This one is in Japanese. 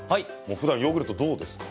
ふだんヨーグルトどうですか？